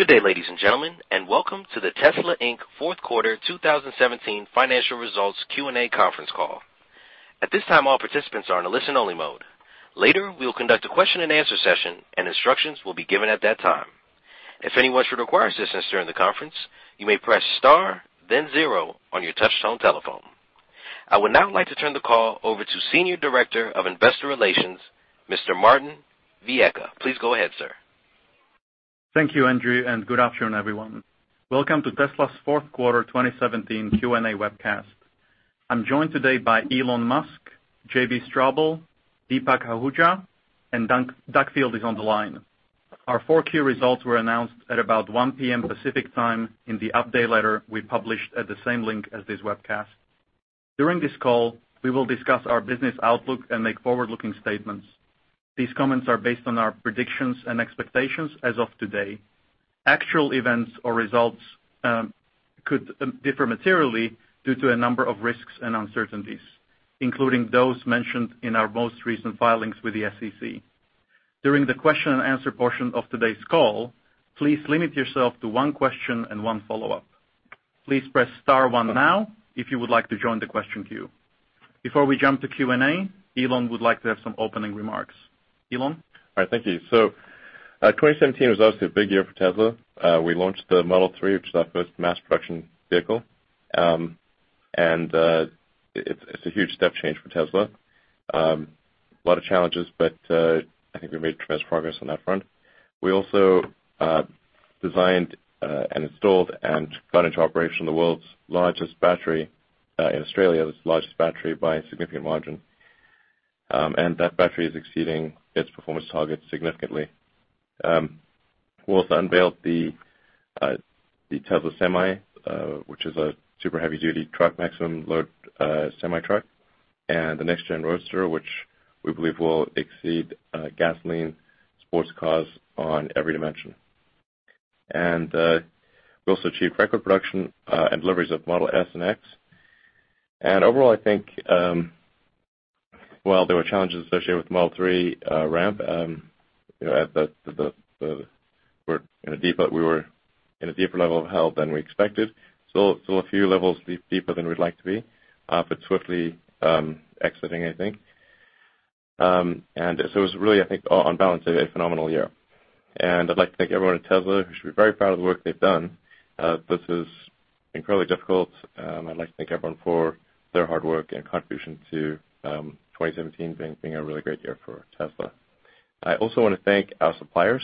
Good day, ladies and gentlemen, and welcome to the Tesla Inc. fourth quarter 2017 financial results Q&A conference call. At this time, all participants are in a listen-only mode. Later, we will conduct a question-and-answer session and instructions will be given at that time. If anyone should require assistance during the conference, you may press star then zero on your touch-tone telephone. I would now like to turn the call over to Senior Director of Investor Relations, Mr. Martin Viecha. Please go ahead, sir. Thank you, Andrew, and good afternoon, everyone. Welcome to Tesla's fourth quarter 2017 Q&A webcast. I am joined today by Elon Musk, JB Straubel, Deepak Ahuja, and Doug Field is on the line. Our 4Q results were announced at about 1:00 P.M. Pacific Time in the update letter we published at the same link as this webcast. During this call, we will discuss our business outlook and make forward-looking statements. These comments are based on our predictions and expectations as of today. Actual events or results could differ materially due to a number of risks and uncertainties, including those mentioned in our most recent filings with the SEC. During the question and answer portion of today's call, please limit yourself to one question and one follow-up. Please press star one now, if you would like to join the question queue. Before we jump to Q&A, Elon would like to have some opening remarks. Elon? All right. Thank you. 2017 was obviously a big year for Tesla. We launched the Model 3, which is our first mass production vehicle. It's a huge step change for Tesla. A lot of challenges, I think we made tremendous progress on that front. We also designed and installed and got into operation the world's largest battery in Australia's largest battery by a significant margin. That battery is exceeding its performance targets significantly. We also unveiled the Tesla Semi, which is a super heavy-duty truck, maximum load, semi-truck, and the next-gen Roadster, which we believe will exceed gasoline sports cars on every dimension. We also achieved record production and deliveries of Model S and X. Overall, I think, while there were challenges associated with Model 3 ramp, you know, at the we're in a deep, we were in a deeper level of hell than we expected. Still a few levels deeper than we'd like to be, but swiftly exiting, I think. So it was really, I think, on balance, a phenomenal year. I'd like to thank everyone at Tesla who should be very proud of the work they've done. This is incredibly difficult. I'd like to thank everyone for their hard work and contribution to 2017 being a really great year for Tesla. I also wanna thank our suppliers,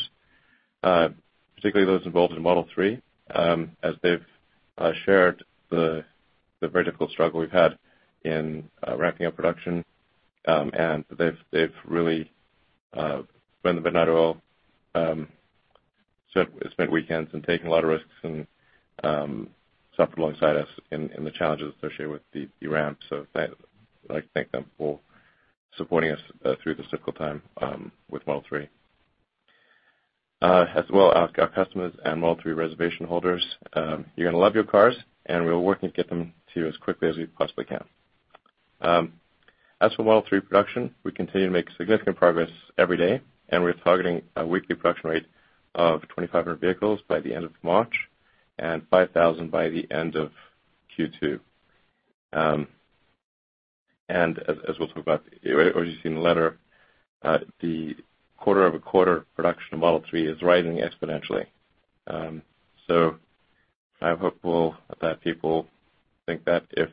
particularly those involved in Model 3, as they've shared the very difficult struggle we've had in ramping up production. They've really spent the midnight oil, spent weekends and taken a lot of risks and suffered alongside us in the challenges associated with the ramp. I'd like to thank them for supporting us through this difficult time with Model 3. As well, our customers and Model 3 reservation holders, you're gonna love your cars, we'll work and get them to you as quickly as we possibly can. As for Model 3 production, we continue to make significant progress every day, we're targeting a weekly production rate of 2,500 vehicles by the end of March and 5,000 by the end of Q2. As we'll talk about or as you've seen in the letter, the quarter-over-quarter production of Model 3 is rising exponentially. I'm hopeful that people think that if,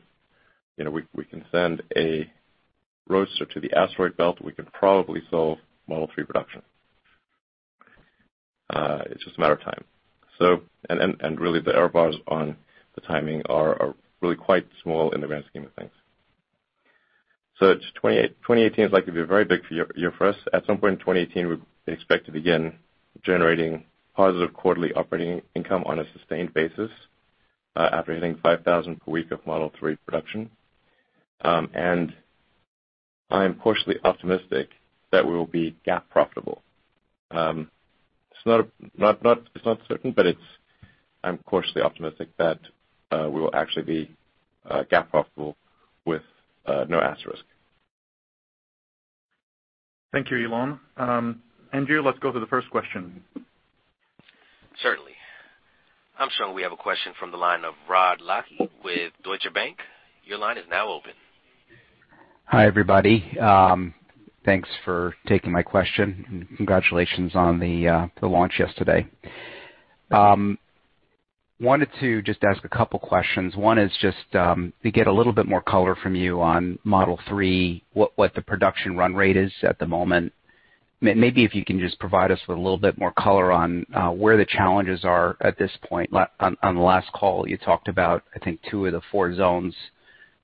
you know, we can send a Roadster to the asteroid belt, we can probably solve Model 3 production. It's just a matter of time. And really the error bars on the timing are really quite small in the grand scheme of things. It's 2018 is likely to be a very big year for us. At some point in 2018, we expect to begin generating positive quarterly operating income on a sustained basis, after hitting 5,000 per week of Model 3 production. I'm cautiously optimistic that we will be GAAP profitable. It's not certain, but I'm cautiously optimistic that we will actually be GAAP profitable with no asterisk. Thank you, Elon. Andrew, let's go to the first question. Certainly. I'm showing we have a question from the line of Rod Lache with Deutsche Bank. Your line is now open. Hi, everybody. Thanks for taking my question. Congratulations on the launch yesterday. Wanted to just ask a couple questions. One is just to get a little bit more color from you on Model 3, what the production run rate is at the moment? Maybe if you can just provide us with a little bit more color on where the challenges are at this point? On the last call, you talked about, I think two of the four zones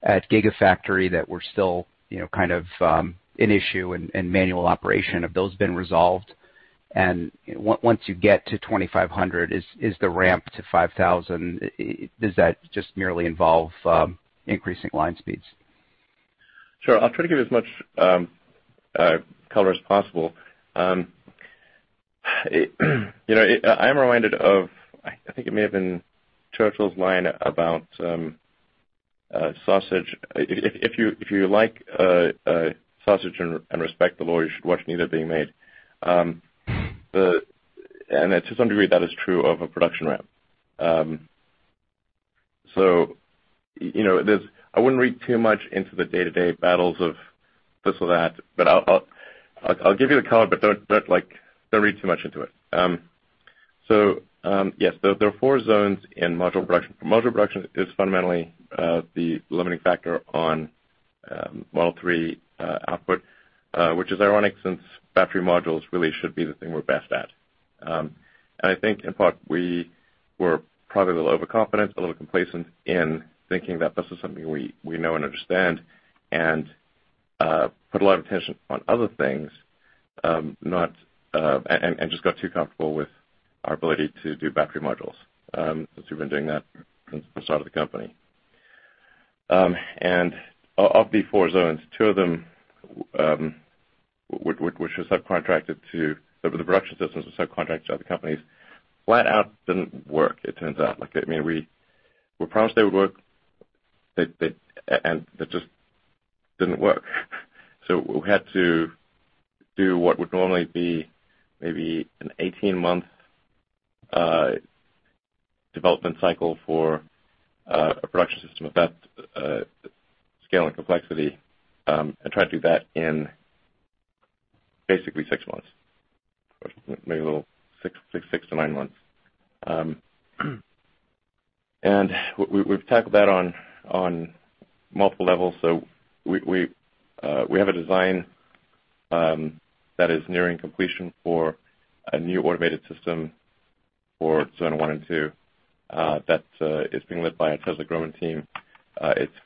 at Gigafactory that were still, you know, kind of an issue and manual operation. Have those been resolved? Once you get to 2,500, is the ramp to 5,000, is that just merely involve increasing line speeds? Sure. I'll try to give as much color as possible. You know, I'm reminded of, I think it may have been Churchill's line about sausage. If you like sausage and respect the lawyer, you should watch neither being made. And to some degree, that is true of a production ramp. You know, there's I wouldn't read too much into the day-to-day battles of this or that, but I'll give you the color, but don't like, don't read too much into it. Yes, there are four zones in module production. Module production is fundamentally the limiting factor on Model 3 output, which is ironic since battery modules really should be the thing we're best at. I think in part we were probably a little overconfident, a little complacent in thinking that this is something we know and understand and put a lot of attention on other things and just got too comfortable with our ability to do battery modules since we've been doing that since the start of the company. Of the four zones, two of them, which was subcontracted to the production systems was subcontracted to other companies, flat out didn't work it turns out. Like, I mean, we were promised they would work. They and they just didn't work. We had to do what would normally be maybe an 18-month development cycle for a production system of that scale and complexity, and try to do that in basically six months, or maybe a little six to nine months. And we've tackled that on multiple levels. We, we have a design that is nearing completion for a new automated system for zone one and two that is being led by a Tesla-grown team. It's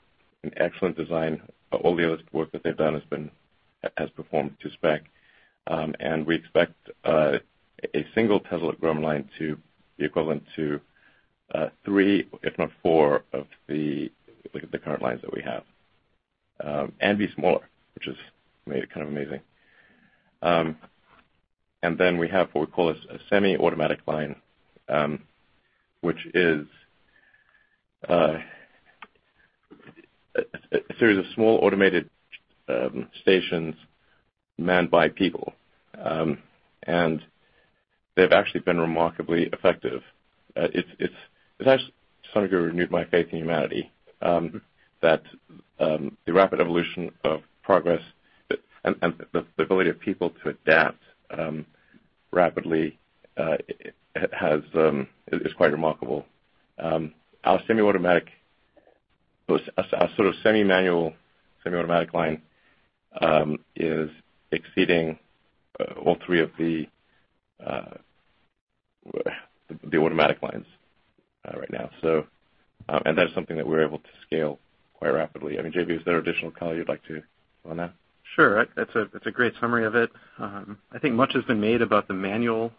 an excellent design. All the other work that they've done has been, has performed to spec. And we expect a single Tesla-grown line to be equivalent to three if not four of the current lines that we have, and be smaller, which has made it kind of amazing. Then we have what we call a semi-automatic line, which is a series of small automated stations manned by people. They've actually been remarkably effective. It's actually, to some degree, renewed my faith in humanity, that the rapid evolution of progress and the ability of people to adapt rapidly has is quite remarkable. Our semi-automatic, our sort of semi-manual, semi-automatic line is exceeding all three of the automatic lines right now. That is something that we're able to scale quite rapidly. I mean, JB, is there additional color you'd like to fill in there? Sure. That's a, that's a great summary of it. I think much has been made about the manual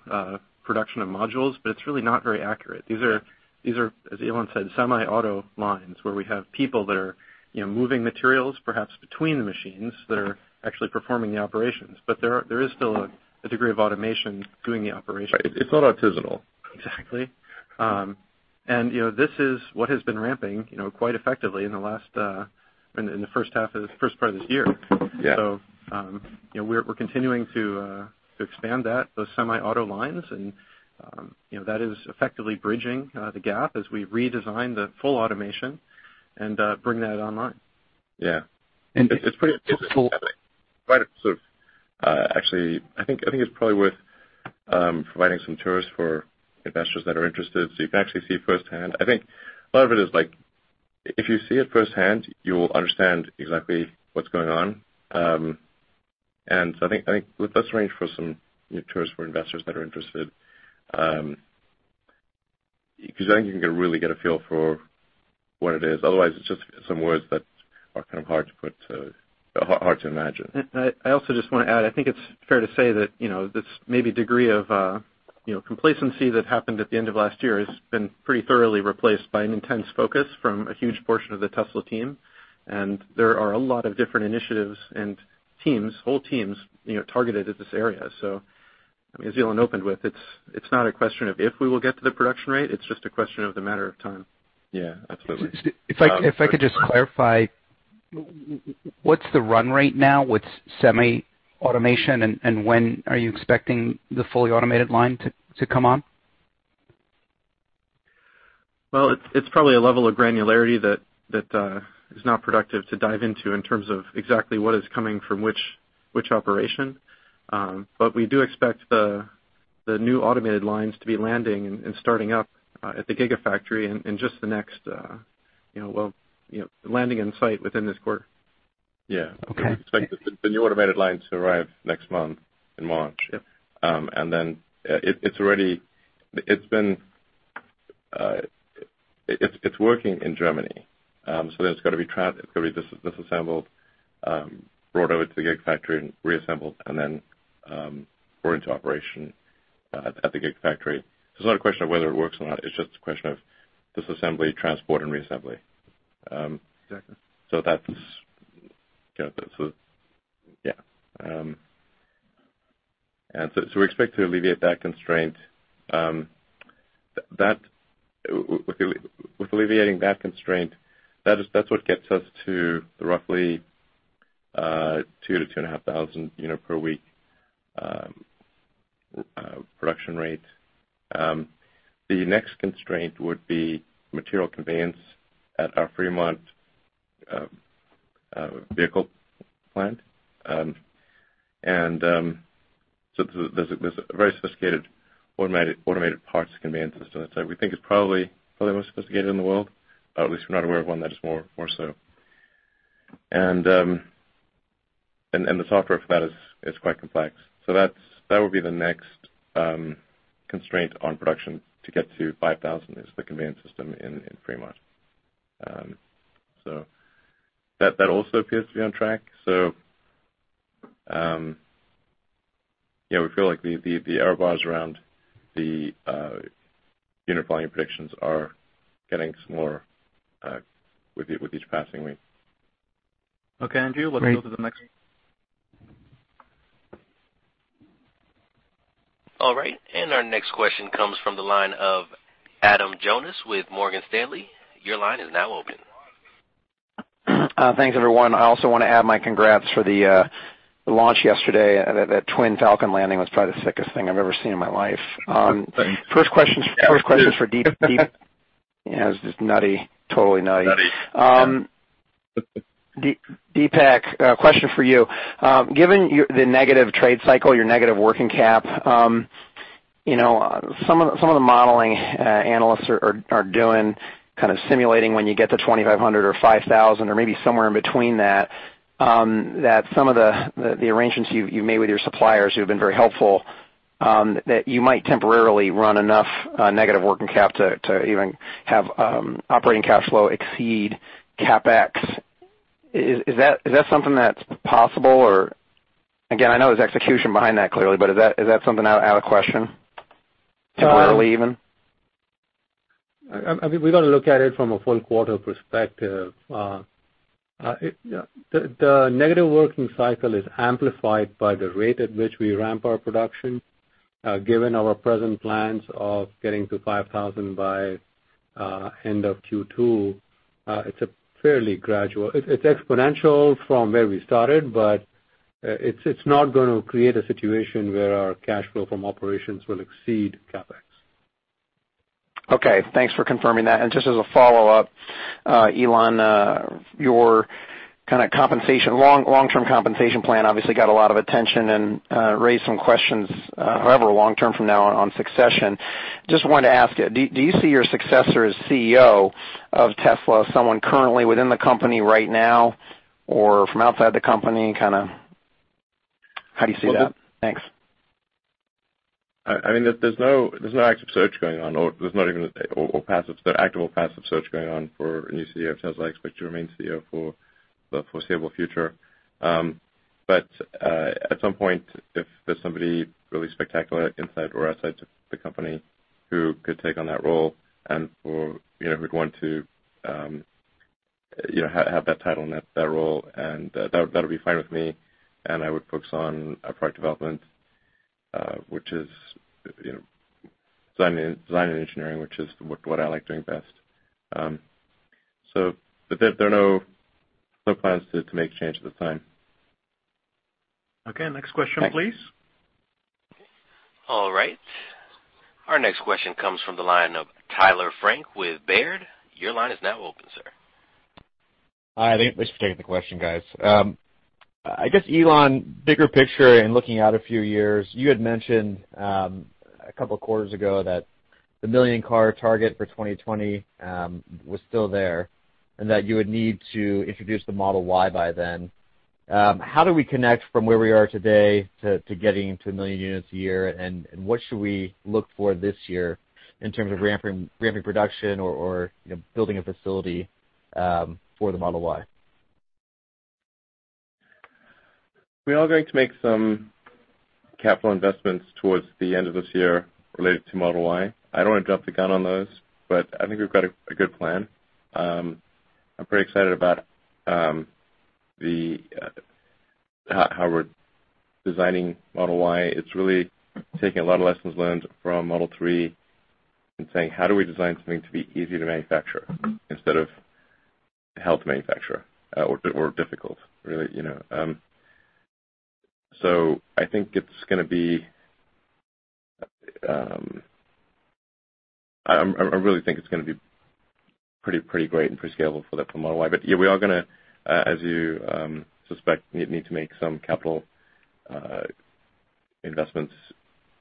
production of modules, it's really not very accurate. These are, as Elon said, semi-auto lines where we have people that are, you know, moving materials perhaps between the machines that are actually performing the operations. There is still a degree of automation doing the operation. Right. It's not artisanal. Exactly. You know, this is what has been ramping, you know, quite effectively in the last, first part of this year. Yeah. You know, we're continuing to expand that, those semi-auto lines and, you know, that is effectively bridging the gap as we redesign the full automation and bring that online. Yeah. And- It's quite a sort of, actually, I think it's probably worth providing some tours for investors that are interested so you can actually see firsthand. I think a lot of it is like if you see it firsthand, you will understand exactly what's going on. I think let's arrange for some new tours for investors that are interested, because I think you can really get a feel for what it is. Otherwise, it's just some words that are kind of hard to put, hard to imagine. I also just wanna add, I think it's fair to say that, you know, this maybe degree of, you know, complacency that happened at the end of last year has been pretty thoroughly replaced by an intense focus from a huge portion of the Tesla team. There are a lot of different initiatives and teams, whole teams, you know, targeted at this area. I mean, as Elon opened with, it's not a question of if we will get to the production rate, it's just a question of the matter of time. Yeah. Absolutely. If I could just clarify, what's the run rate now with semi-automation, and when are you expecting the fully automated line to come on? Well, it's probably a level of granularity that is not productive to dive into in terms of exactly what is coming from which operation. We do expect the new automated lines to be landing and starting up at the Gigafactory in just the next, you know, well, you know, landing in site within this quarter. Yeah. Okay. We expect the new automated lines to arrive next month in March. Yep. It's working in Germany. It's got to be disassembled, brought over to the Gigafactory and reassembled and brought into operation at the Gigafactory. It's not a question of whether it works or not, it's just a question of disassembly, transport and reassembly. Exactly. That's, you know, yeah, we expect to alleviate that constraint, with alleviating that constraint, that's what gets us to roughly 2,000-2,500 units per week production rate. The next constraint would be material conveyance at our Fremont vehicle plant. And there's a very sophisticated automated parts conveyance system that we think is probably the most sophisticated in the world, or at least we're not aware of one that is more so. And the software for that is quite complex. That would be the next constraint on production to get to 5,000, is the conveyance system in Fremont. That also appears to be on track. You know, we feel like the error bars around the unit volume predictions are getting [smaller] with each passing week. Okay, Andrew. All right. Our next question comes from the line of Adam Jonas with Morgan Stanley. Your line is now open. Thanks everyone. I also wanna add my congrats for the launch yesterday. That Twin Falcon landing was probably the sickest thing I've ever seen in my life. Thanks. First question is for Deepak. Yeah, it was just nutty. Totally nutty. Nutty. Yeah. Deepak, a question for you. Given the negative trade cycle, your negative working cap, you know, some of the modeling analysts are doing, kind of simulating when you get to 2,500 or 5,000 or maybe somewhere in between that some of the arrangements you made with your suppliers who have been very helpful, that you might temporarily run enough negative working cap to even have operating cash flow exceed CapEx. Is that something that's possible? Again, I know there's execution behind that clearly, but is that something out of question? Temporarily even? I mean, we gotta look at it from a full quarter perspective. The negative working cycle is amplified by the rate at which we ramp our production. Given our present plans of getting to 5,000 by end of Q2, it's a fairly gradual, it's exponential from where we started, but it's not gonna create a situation where our cash flow from operations will exceed CapEx. Okay. Thanks for confirming that. Just as a follow-up, Elon, your kinda compensation, long-term compensation plan obviously got a lot of attention and raised some questions, however long-term from now on succession. Just wanted to ask you, do you see your successor as CEO of Tesla, someone currently within the company right now or from outside the company, kinda how do you see that? Thanks. Well, I mean, there's no active search going on or there's not even or passive. There's active or passive search going on for a new CEO of Tesla. I expect to remain CEO for the foreseeable future. At some point, if there's somebody really spectacular inside or outside the company who could take on that role and for, you know, who'd want to, you know, have that title and that role, that would, that'll be fine with me and I would focus on product development, which is, you know, design and engineering, which is what I like doing best. There are no plans to make a change at this time. Okay. Next question please. Thanks. All right. Our next question comes from the line of Tyler Frank with Baird. Your line is now open, sir. Hi, thank you. Thanks for taking the question, guys. I guess, Elon, bigger picture and looking out a few years, you had mentioned a couple quarters ago that the 1 million unit target for 2020 was still there, and that you would need to introduce the Model Y by then. How do we connect from where we are today to getting to 1 million units a year? What should we look for this year in terms of ramping production or, you know, building a facility for the Model Y? We are going to make some capital investments towards the end of this year related to Model Y. I don't wanna [drop the gun] on those, but I think we've got a good plan. I'm pretty excited about the how we're designing Model Y. It's really taking a lot of lessons learned from Model 3 and saying, "How do we design something to be easy to manufacture instead of difficult, really," you know? I really think it's gonna be pretty great and pretty scalable for Model Y. Yeah, we are gonna, as you suspect, need to make some capital investments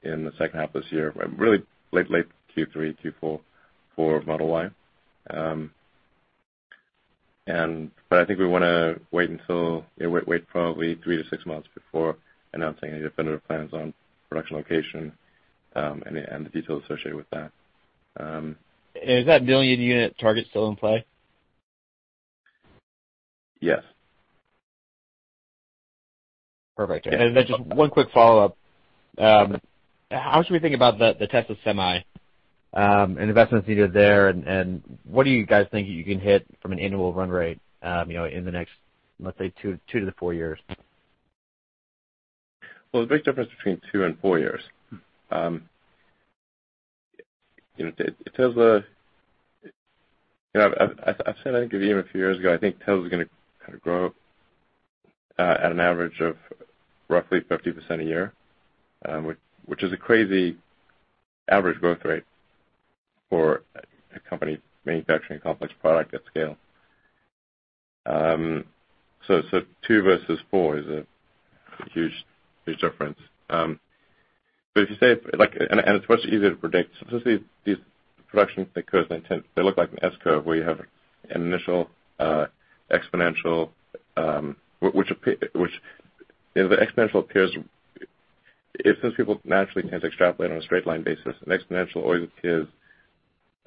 in the second half of this year, really late Q3, Q4 for Model Y. I think we wanna wait until, you know, wait probably three to six months before announcing any definitive plans on production location, and the details associated with that. Is that million unit target still in play? Yes. Perfect. Just one quick follow-up. How should we think about the Tesla Semi and investments needed there and what do you guys think you can hit from an annual run rate, you know, in the next, let's say two to four years? Well, there's a big difference between two and four years. You know, at Tesla, you know, I've said, I think even a few years ago, I think Tesla's gonna kind of grow at an average of roughly 50% a year, which is a crazy average growth rate for a company manufacturing a complex product at scale. Two versus four is a huge difference. If you say, it's much easier to predict, especially these production curves, they look like an S curve, where you have an initial exponential, which, you know, the exponential appears If since people naturally tend to extrapolate on a straight line basis, an exponential always appears,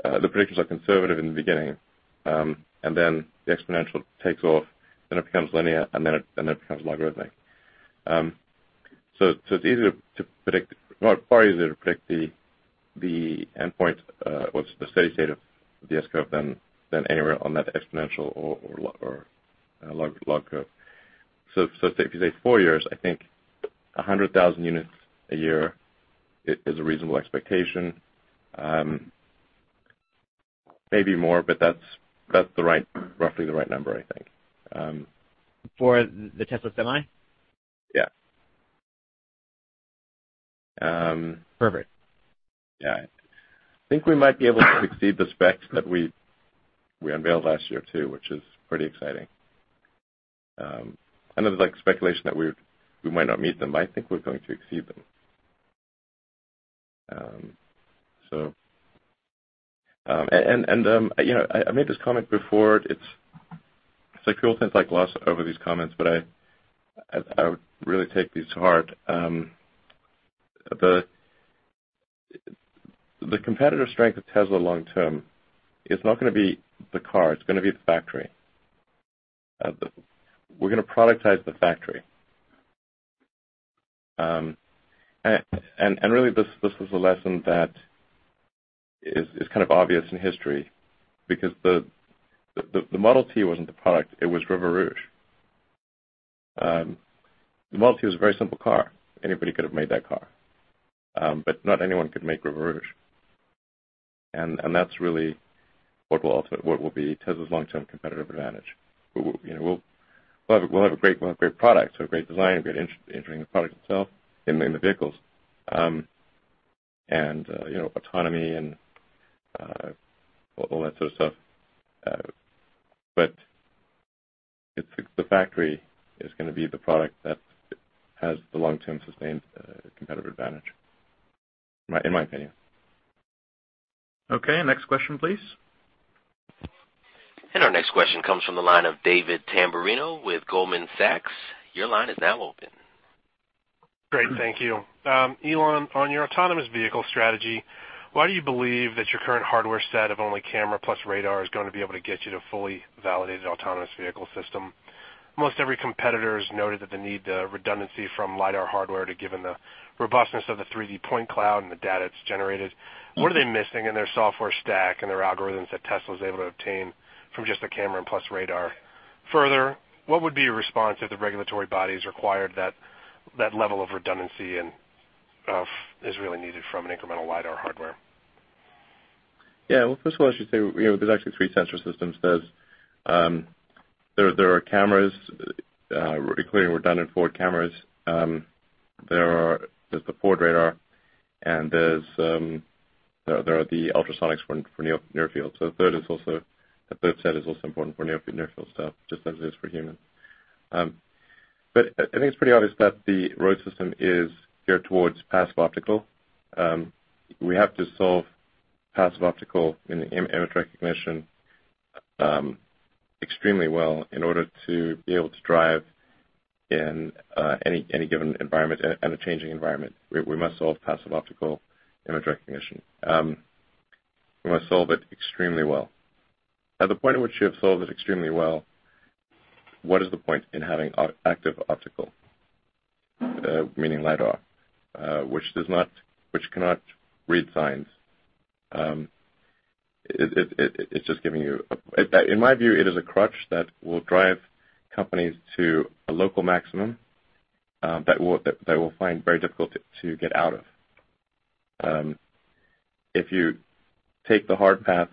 the predictions are conservative in the beginning, and then the exponential takes off, then it becomes linear, and then it becomes logarithmic. It's easier to predict, well, far easier to predict the endpoint, or the steady state of the S curve than anywhere on that exponential or log curve. If you say four years, I think 100,000 units a year is a reasonable expectation. Maybe more, but that's the right, roughly the right number, I think. For the Tesla Semi? Yeah. Perfect. I think we might be able to exceed the specs that we unveiled last year, too, which is pretty exciting. I know there's, like, speculation that we might not meet them. I think we're going to exceed them. You know, I made this comment before. It's like people kind of gloss over these comments, but I would really take these to heart. The competitive strength of Tesla long term is not gonna be the car. It's gonna be the factory. We're gonna productize the factory. Really, this is a lesson that is kind of obvious in history because the Model T wasn't the product, it was River Rouge. The Model T was a very simple car. Anybody could have made that car. Not anyone could make Rouge River. That's really what will be Tesla's long-term competitive advantage. We will, you know, we'll have a great product, so a great design, a great engineering the product itself in the vehicles, and, you know, autonomy and all that sort of stuff. It's the factory is gonna be the product that has the long-term sustained competitive advantage, in my opinion. Okay. Next question, please. Our next question comes from the line of David Tamberrino with Goldman Sachs. Your line is now open. Great. Thank you. Elon, on your autonomous vehicle strategy, why do you believe that your current hardware set of only camera plus radar is gonna be able to get you to fully validated autonomous vehicle system? Almost every competitor has noted that they need the redundancy from lidar hardware given the robustness of the 3D point cloud and the data it's generated. What are they missing in their software stack and their algorithms that Tesla is able to obtain from just a camera and plus radar? Further, what would be your response if the regulatory bodies required that level of redundancy and is really needed from an incremental lidar hardware? Yeah. Well, first of all, I should say, you know, there's actually three sensor systems. There are cameras, clearly redundant forward cameras. There's the forward radar and there are the ultrasonics for near field. Third is also, the third set is also important for near field stuff, just as it is for humans. I think it's pretty obvious that the road system is geared towards passive optical. We have to solve passive optical in image recognition extremely well in order to be able to drive in any given environment and a changing environment. We must solve passive optical image recognition. We must solve it extremely well. At the point at which you have solved it extremely well, what is the point in having active optical, meaning lidar, which cannot read signs? It's just giving you a. In my view, it is a crutch that will drive companies to a local maximum that they will find very difficult to get out of. If you take the hard path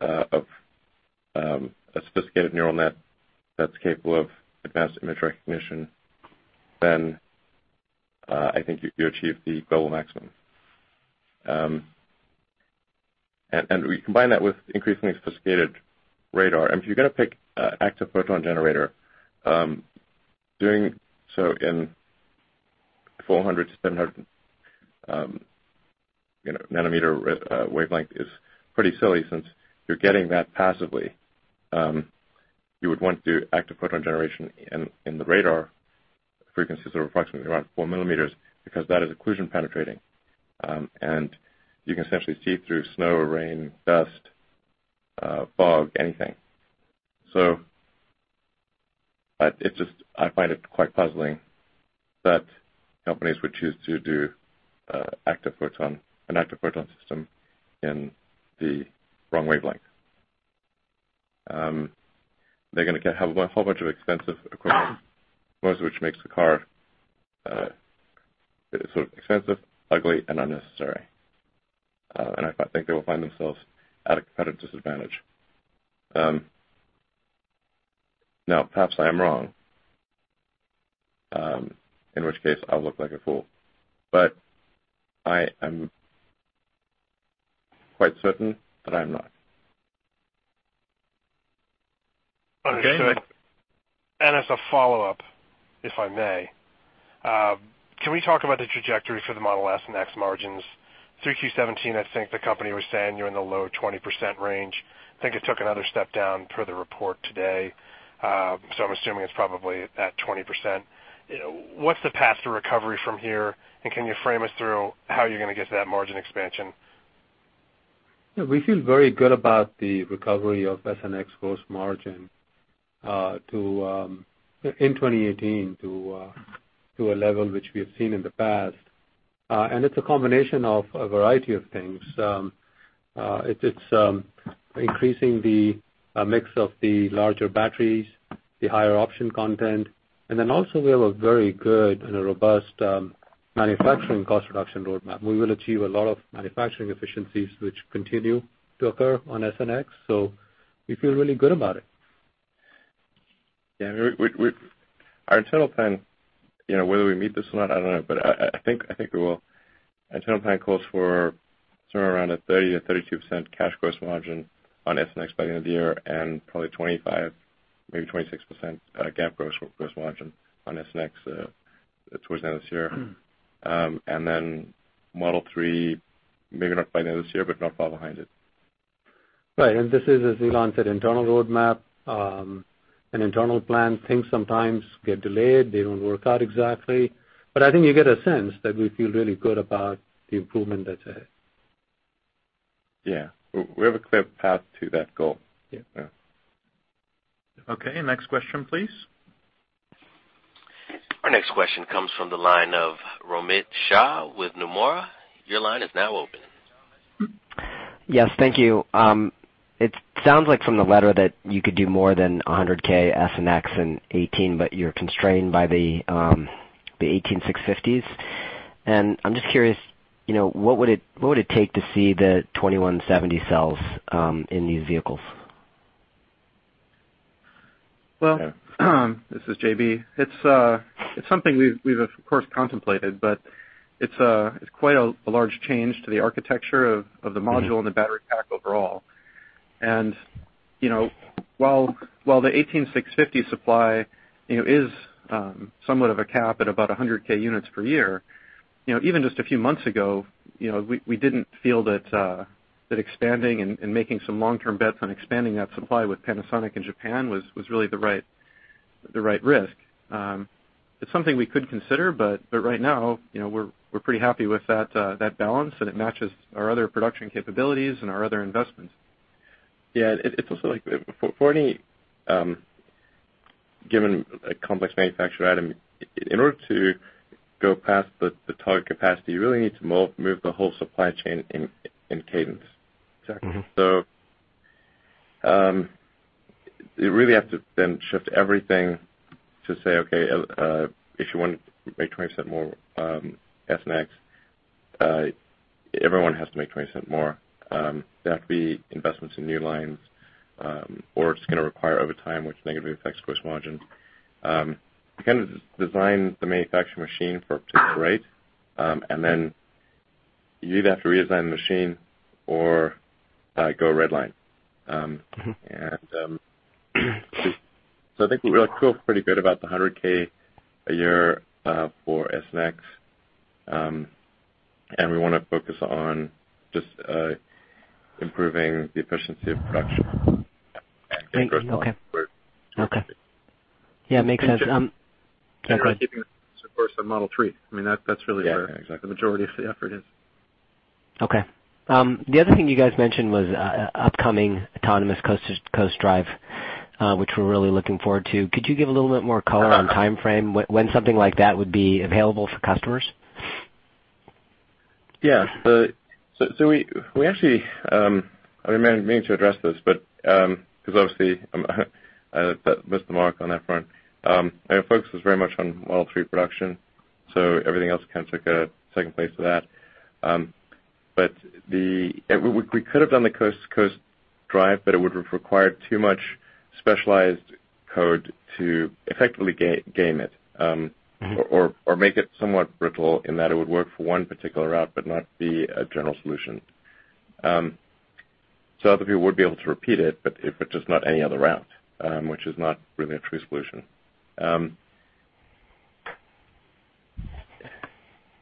of a sophisticated neural net that's capable of advanced image recognition, then I think you achieve the global maximum. We combine that with increasingly sophisticated radar. If you're gonna pick active photon generator, doing so in 400-700, you know, nanometer wavelength is pretty silly since you're getting that passively. You would want to do active photon generation in the radar frequencies of approximately around 4 mm because that is occlusion penetrating. And you can essentially see through snow or rain, dust, fog, anything. It's just, I find it quite puzzling that companies would choose to do an active photon system in the wrong wavelength. They're gonna get a whole bunch of expensive equipment which makes the car sort of expensive, ugly, and unnecessary. I think they will find themselves at a competitive disadvantage. Now, perhaps I am wrong, in which case I'll look like a fool. I am quite certain that I'm not. Understood. As a follow-up, if I may, can we talk about the trajectory for the Model S and X margins [3Q] 2017, I think the company was saying you're in the low 20% range. I think it took another step down per the report today. I'm assuming it's probably at 20%. What's the path to recovery from here? Can you frame us through how you're gonna get to that margin expansion? Yeah, we feel very good about the recovery of S and X gross margin, to, in 2018 to a level which we have seen in the past. It's a combination of a variety of things. It's increasing the mix of the larger batteries, the higher option content, and then also we have a very good and a robust, manufacturing cost reduction roadmap. We will achieve a lot of manufacturing efficiencies which continue to occur on S and X, so we feel really good about it. Our internal plan, you know, whether we meet this or not, I don't know, but I think we will. Internal plan calls for somewhere around a 30%-32% cash gross margin on S and X by the end of the year and probably 25%, maybe 26% GAAP gross margin on S and X towards the end of this year. Model 3, maybe not by the end of this year, but not far behind it. Right. This is, as Elon said, internal roadmap, an internal plan. Things sometimes get delayed, they don't work out exactly, but I think you get a sense that we feel really good about the improvement that's ahead. Yeah. We have a clear path to that goal. Yeah. Yeah. Okay. Next question, please. Our next question comes from the line of Romit Shah with Nomura. Your line is now open. Yes, thank you. It sounds like from the letter that you could do more than 100,000 S and X in 2018, but you're constrained by the 18650s. I'm just curious, you know, what would it take to see the 2170 cells in these vehicles? Well, this is JB. It's, it's something we've of course contemplated, but it's quite a large change to the architecture of the module and the battery pack overall. You know, while the 18650 supply, you know, is, somewhat of a cap at about 100,000 units per year, you know, even just a few months ago, you know, we didn't feel that expanding and making some long-term bets on expanding that supply with Panasonic in Japan was really the right, the right risk. It's something we could consider, but right now, you know, we're pretty happy with that balance, and it matches our other production capabilities and our other investments. Yeah. It's also like for any given a complex manufacturer item, in order to go past the target capacity, you really need to move the whole supply chain in cadence. Exactly. You really have to then shift everything to say, okay, if you want to make 20% more, S and X, everyone has to make 20% more. There have to be investments in new lines, or it's gonna require over time, which negatively affects gross margins. You kind of design the manufacturing machine for a particular rate, and then you either have to redesign the machine or go redline. I think we feel pretty good about the 100,000 a year, for S and X. We wanna focus on just improving the efficiency of production. Okay. Okay. Yeah, makes sense. Go ahead. Of course, on Model 3, I mean, that's really where. Yeah, exactly. The majority of the effort is. Okay. The other thing you guys mentioned was upcoming autonomous coast drive, which we're really looking forward to. Could you give a little bit more color on timeframe when something like that would be available for customers? Yeah. We actually, I mean to address this, 'cause obviously I missed the mark on that front. Our focus was very much on Model 3 production, so everything else kind of took a second place to that. We could have done the coast-to-coast drive, but it would have required too much specialized code to effectively game it. Make it somewhat brittle in that it would work for one particular route but not be a general solution. Other people would be able to repeat it, but just not any other route, which is not really a true solution.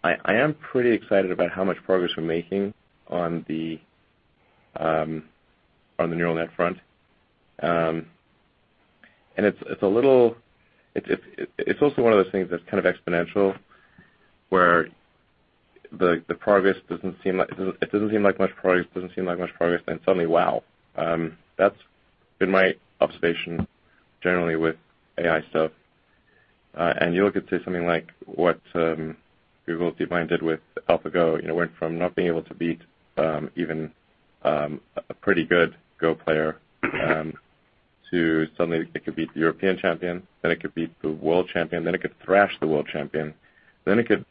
I am pretty excited about how much progress we're making on the neural net front. It's also one of those things that's kind of exponential, where the progress doesn't seem like much progress, then suddenly, wow. That's been my observation generally with AI stuff. You look at, say, something like what Google's DeepMind did with AlphaGo, went from not being able to beat even a pretty good Go player, to suddenly it could beat the European champion, then it could beat the world champion, then it could thrash the world champion. It could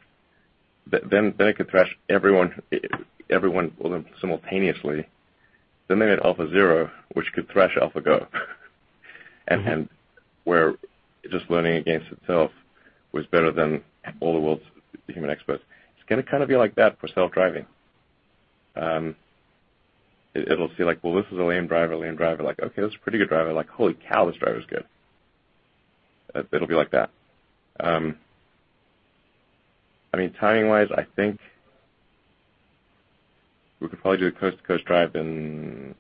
then thrash everyone simultaneously. They made AlphaZero, which could thrash AlphaGo and where just learning against itself was better than all the world's human experts. It's gonna kind of be like that for self-driving. It'll see like, well, this is a lame driver. Like, okay, that's a pretty good driver. Like, holy cow, this driver's good. It'll be like that. I mean, timing wise, I think we could probably do a coast-to-coast drive in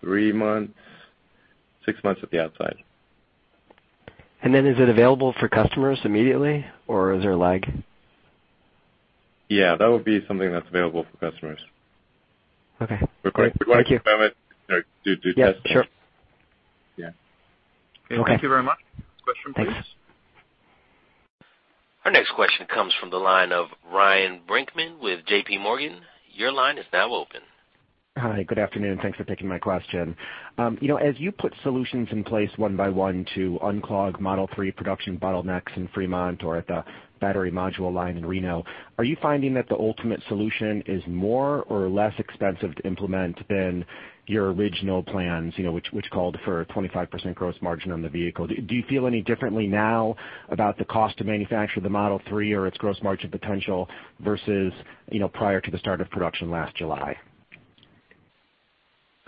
three months, six months at the outside. Is it available for customers immediately, or is there a lag? Yeah, that would be something that's available for customers. Okay. Thank you. We're going to experiment or do testing. Yeah, sure. Yeah. Okay. Thank you very much. Question, please. Thanks. Our next question comes from the line of Ryan Brinkman with JPMorgan. Your line is now open. Hi, good afternoon. Thanks for taking my question. You know, as you put solutions in place one by one to unclog Model 3 production bottlenecks in Fremont or at the battery module line in Reno, are you finding that the ultimate solution is more or less expensive to implement than your original plans, you know, which called for a 25% gross margin on the vehicle? Do you feel any differently now about the cost to manufacture the Model 3 or its gross margin potential versus, you know, prior to the start of production last July?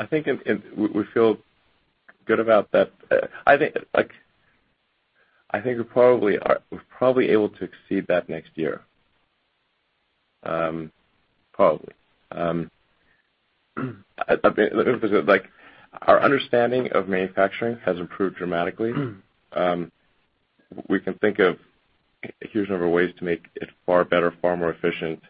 I think and we feel good about that. I think, like, I think we're probably able to exceed that next year. Probably. A bit, let me put it like, our understanding of manufacturing has improved dramatically. We can think of a huge number of ways to make it far better, far more efficient.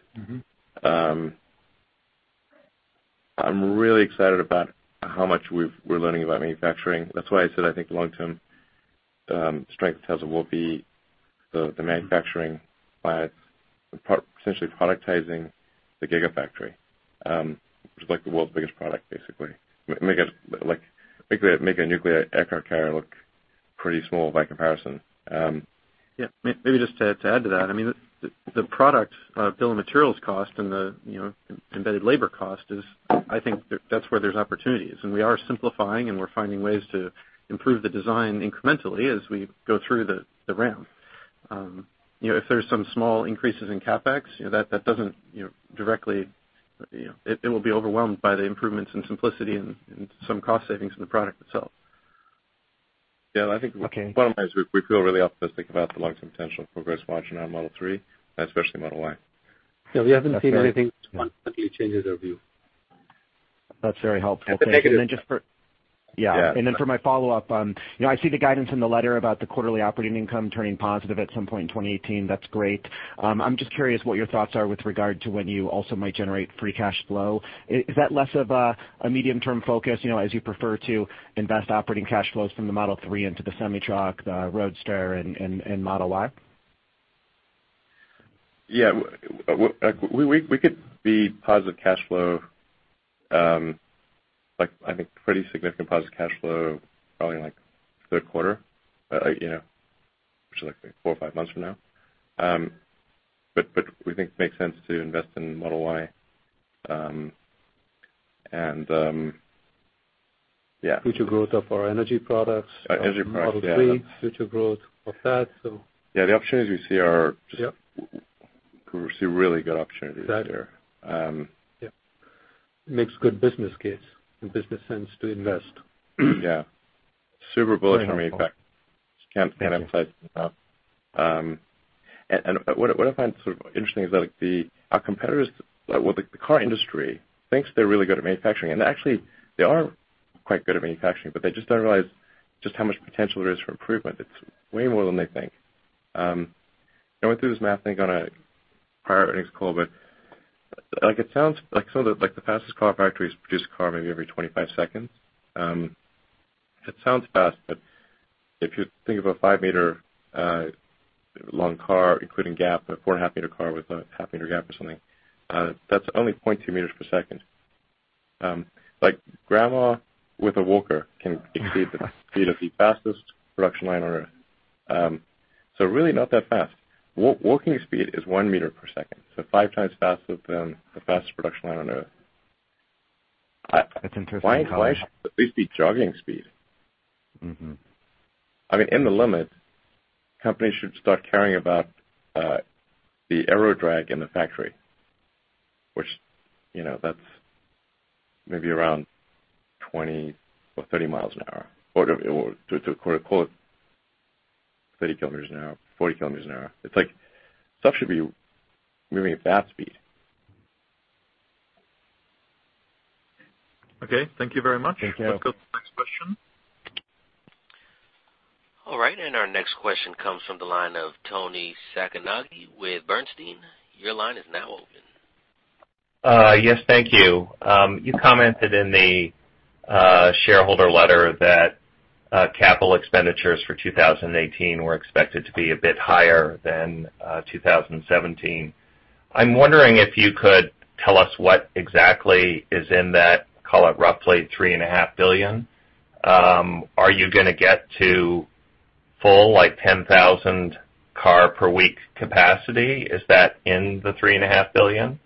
I'm really excited about how much we're learning about manufacturing. That's why I said I think long-term strength Tesla will be the manufacturing by essentially productizing the Gigafactory, which is like the world's biggest product, basically. Make it like a nuclear aircraft carrier look pretty small by comparison. Maybe just to add to that. I mean, the product bill of materials cost and the, you know, embedded labor cost is, I think that's where there's opportunities. We are simplifying, and we're finding ways to improve the design incrementally as we go through the ramp. You know, if there's some small increases in CapEx, you know, that doesn't, you know, directly, you know, it will be overwhelmed by the improvements in simplicity and some cost savings in the product itself. Yeah, I think- Okay. Bottom line is we feel really optimistic about the long-term potential for gross margin on Model 3, and especially Model Y. Yeah, we haven't seen anything to suddenly change our view. That's very helpful. Thank you. Yeah. And then just for Yeah. Yeah. For my follow-up, you know, I see the guidance in the letter about the quarterly operating income turning positive at some point in 2018. That's great. I'm just curious what your thoughts are with regard to when you also might generate free cash flow. Is that less of a medium-term focus, you know, as you prefer to invest operating cash flows from the Model 3 into the semi-truck, the Roadster, and Model Y? Yeah. We could be positive cash flow, like, I think pretty significant positive cash flow probably in like third quarter. You know, which is like four or five months from now. We think it makes sense to invest in Model Y. Yeah. Future growth of our energy products. Energy products, yeah. Model 3, future growth of that. Yeah, the opportunities we see are just- Yeah. We see really good opportunities there. Exactly. Um- Yeah. Makes good business case and business sense to invest. Yeah. Super bullish on manufacturing. Can't emphasize it enough. What I find sort of interesting is that, like, the, our competitors, like, well, the car industry thinks they're really good at manufacturing, and actually they are quite good at manufacturing, but they just don't realize just how much potential there is for improvement. It's way more than they think. I went through this math, I think, on a prior earnings call, but like, it sounds like some of the, like the fastest car factories produce a car maybe every 25 seconds. It sounds fast, but if you think of a five-meter long car including gap, a 4.5 meter car with a half meter gap or something, that's only 0.2 meters per second. Like grandma with a walker can exceed the speed of the fastest production line on Earth. Really not that fast. Walking speed is 1 meter per second, so 5x faster than the fastest production line on Earth. That's interesting. Why should at least be jogging speed? I mean, in the limit, companies should start caring about the aero drag in the factory, which, you know, that's maybe around 20 or 30 mi an hour, or to quote 30 km an hour, 40 km an hour. It's like, stuff should be moving at fast speed. Okay, thank you very much. Thank you. Let's go to the next question. All right. Our next question comes from the line of Toni Sacconaghi with Bernstein. Your line is now open. Yes, thank you. You commented in the shareholder letter that capital expenditures for 2018 were expected to be a bit higher than 2017. I'm wondering if you could tell us what exactly is in that, call it, roughly $3.5 billion. Are you gonna get to full like 10,000 car per week capacity? Is that in the $3.5 billion?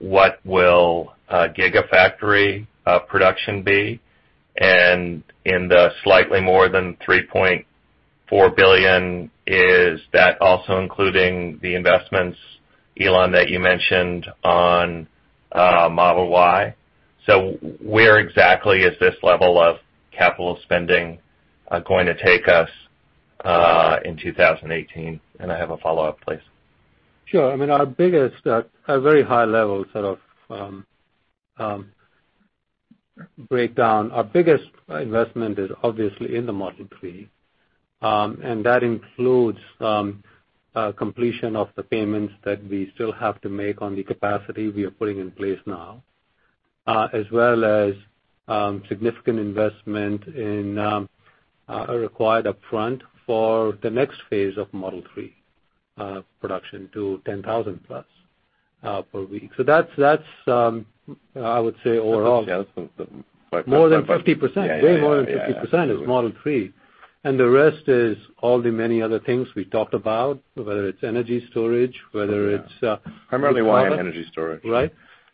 What will Gigafactory production be? In the slightly more than $3.4 billion, is that also including the investments, Elon, that you mentioned on Model Y? Where exactly is this level of capital spending going to take us in 2018? I have a follow-up, please. Sure. I mean, our biggest, a very high level sort of, breakdown. Our biggest investment is obviously in the Model 3. That includes completion of the payments that we still have to make on the capacity we are putting in place now, as well as significant investment in required upfront for the next phase of Model 3 production to 10,000+ per week. That's, I would say overall. Yeah. More than 50%. Yeah, yeah. Way more than 50% is Model 3. The rest is all the many other things we talked about, whether it's energy storage. Primarily Y and energy storage. Right.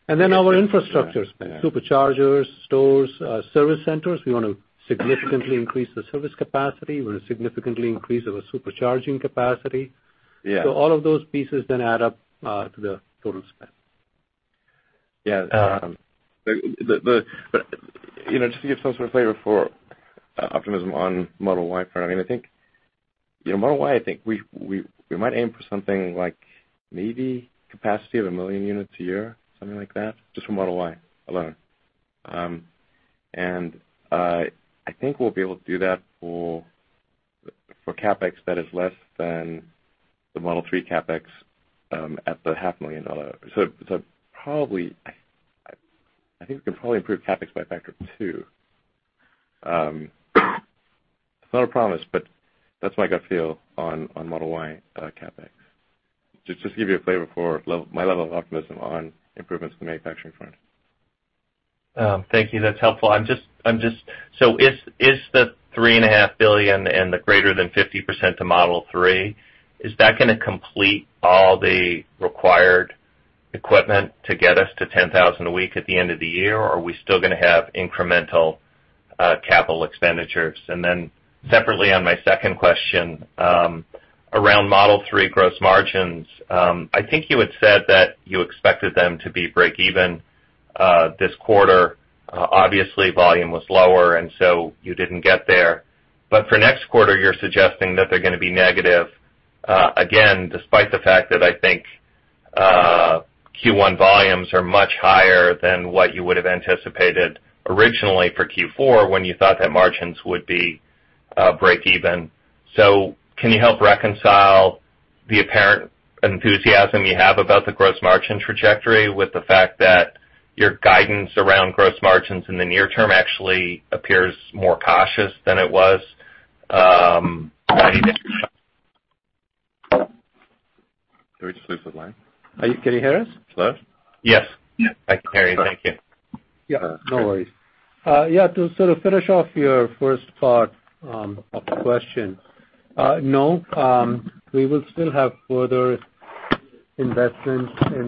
Then our infrastructure spend, superchargers, stores, service centers. We wanna significantly increase the service capacity. We're gonna significantly increase our Supercharging capacity. Yeah. All of those pieces then add up to the total spend. The, you know, just to give some sort of flavor for optimism on Model Y front, I mean, I think, you know, Model Y, I think we might aim for something like maybe capacity of 1 million units a year, something like that, just for Model Y alone. I think we'll be able to do that for CapEx that is less than the Model 3 CapEx at the $500,000 million. Probably I think we can probably improve CapEx by a factor of two. It's not a promise, but that's my gut feel on Model Y CapEx. Just give you a flavor for my level of optimism on improvements to the manufacturing front. Thank you. That's helpful. Is the $3.5 billion and the greater than 50% to Model 3, is that gonna complete all the required equipment to get us to 10,000 a week at the end of the year? Are we still gonna have incremental capital expenditures? Separately, on my second question, around Model 3 gross margins, I think you had said that you expected them to be breakeven this quarter. Obviously, volume was lower, and so you didn't get there. For next quarter, you're suggesting that they're gonna be negative again, despite the fact that I think Q1 volumes are much higher than what you would have anticipated originally for Q4 when you thought that margins would be breakeven. Can you help reconcile the apparent enthusiasm you have about the gross margin trajectory with the fact that your guidance around gross margins in the near term actually appears more cautious than it was, [90 days ago]? Did we just lose the line? Can you hear us? Hello? Yes. I can hear you. Thank you. No worries. To sort of finish off your first part of the question, we will still have further investments in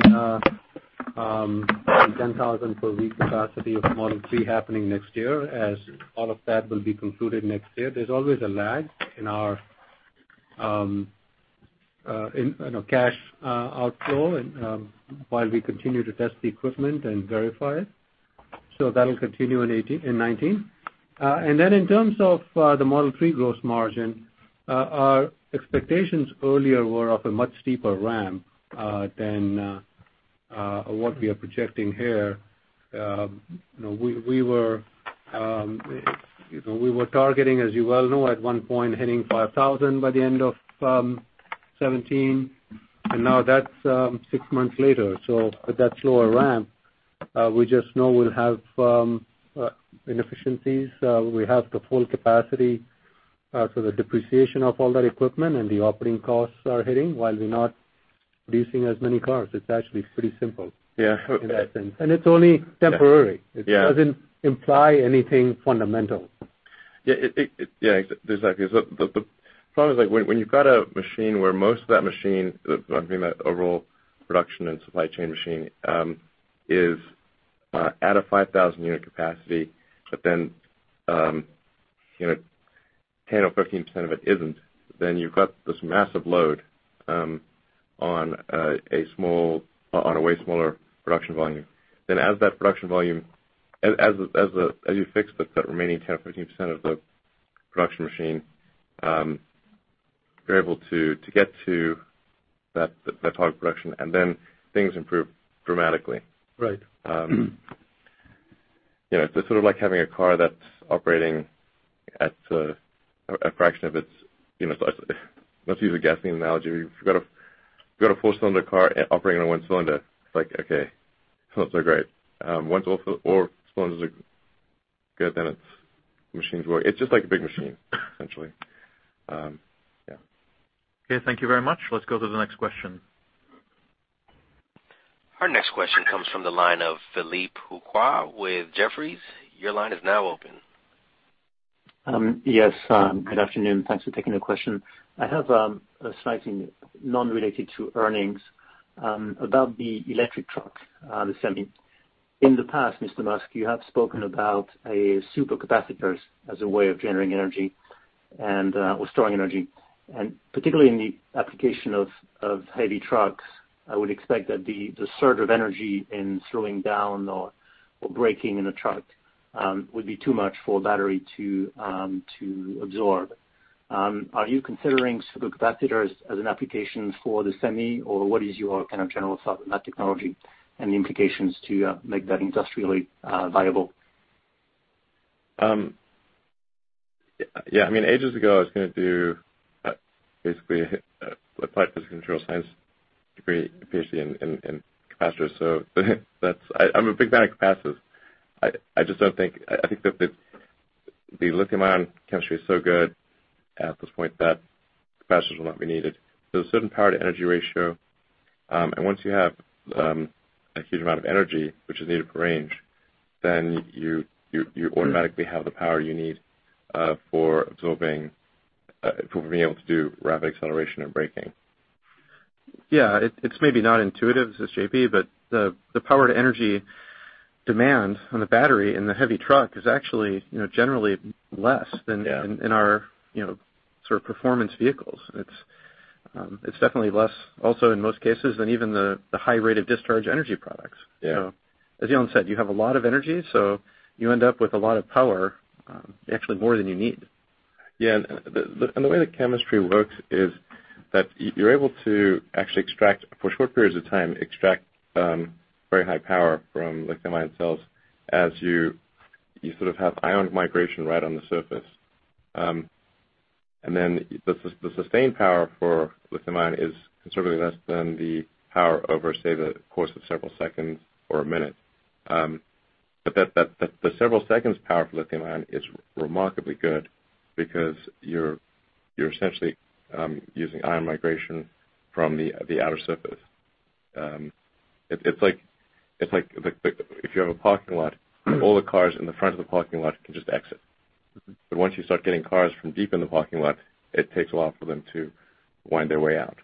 10,000 per week capacity of Model 3 happening next year as all of that will be concluded next year. There's always a lag in our, you know, cash outflow and while we continue to test the equipment and verify it. That'll continue in 2018, in 2019. In terms of the Model 3 gross margin, our expectations earlier were of a much steeper ramp than what we are projecting here. You know, we were, you know, we were targeting, as you well know, at one point hitting 5,000 by the end of 2017, and now that's six months later. With that slower ramp, we just know we'll have inefficiencies. We have the full capacity for the depreciation of all that equipment and the operating costs are hitting while we're not producing as many cars. It's actually pretty simple. Yeah. Okay. In that sense. It's only temporary. Yeah. It doesn't imply anything fundamental. Yeah, exactly. The problem is like when you've got a machine where most of that machine, I mean, the overall production and supply chain machine, is at a 5,000 unit capacity, but then 10% or 15% of it isn't, then you've got this massive load on a way smaller production volume. As you fix the remaining 10% [or 15%] of the production machine, you're able to get to product production, and then things improve dramatically. Right. You know, it's sort of like having a car that's operating at a fraction of its. You know, let's use a gasoline analogy. If you've got a four-cylinder car operating on one cylinder, it's like, okay, cylinders are great. Once all four cylinders are good, then it's just like a big machine, essentially. Okay, thank you very much. Let's go to the next question. Our next question comes from the line of Philippe Houchois with Jefferies. Your line is now open. Yes. Good afternoon. Thanks for taking the question. I have a slightly non-related to earnings, about the electric truck, the Semi. In the past, Mr. Musk, you have spoken about a supercapacitors as a way of generating energy or storing energy, and particularly in the application of heavy trucks, I would expect that the surge of energy in slowing down or braking in a truck would be too much for a battery to absorb. Are you considering supercapacitors as an application for the Semi, or what is your kind of general thought on that technology and the implications to make that industrially viable? Yeah, I mean, ages ago, I was gonna do, basically, applied physical control science degree, a PhD in capacitors. I'm a big fan of capacitors. I think that the lithium-ion chemistry is so good at this point that capacitors will not be needed. There's a certain power to energy ratio, and once you have a huge amount of energy which is needed for range, then you automatically have the power you need for absorbing, for being able to do rapid acceleration and braking. Yeah, it's maybe not intuitive, this is JB, but the power to energy demand on the battery in the heavy truck is actually, you know, generally less than. Yeah I.n our, you know, sort of performance vehicles. It's definitely less also in most cases than even the high rate of discharge energy products. Yeah. As Elon said, you have a lot of energy, so you end up with a lot of power, actually more than you need. The way the chemistry works is that you're able to actually extract, for short periods of time, very high power from lithium-ion cells as you sort of have ionic migration right on the surface. The sustained power for lithium-ion is considerably less than the power over, say, the course of several seconds or a minute. The several seconds power for lithium-ion is remarkably good because you're essentially using ion migration from the outer surface. It's like if you have a parking lot, all the cars in the front of the parking lot can just exit. Once you start getting cars from deep in the parking lot, it takes a while for them to wind their way out.